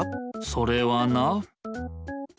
それはな。